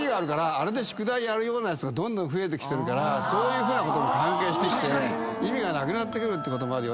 あれで宿題やるようなやつがどんどん増えてきてるからそういうことが関係してきて意味がなくなってくることもある。